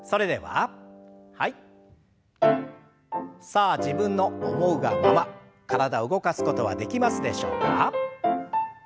さあ自分の思うがまま体動かすことはできますでしょうか。